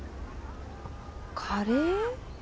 カレー？